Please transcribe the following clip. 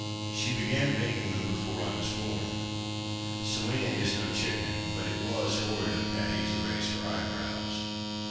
She began making them before I was born." (Selina is no chicken, but it was horrid of Patty to raise her eyebrows.)